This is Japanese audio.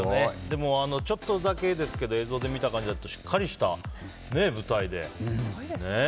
でも、ちょっとだけですが映像で見た感じだとしっかりした舞台で。